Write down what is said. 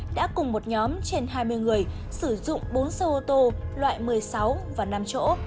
đã cùng một nhóm trên hai mươi người sử dụng bốn xe ô tô loại một mươi sáu và năm chỗ